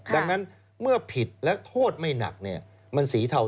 ดังนั้นเมื่อผิดและโทษไม่หนักมันสีเทา